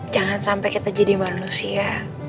jangan sampai kita jadi manusia